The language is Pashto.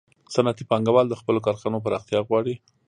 صنعتي پانګوال د خپلو کارخانو پراختیا غواړي